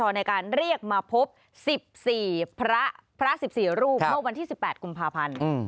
ในการเรียกมาพบ๑๔พระ๑๔รูปเมื่อวันที่๑๘กุมภาพันธ์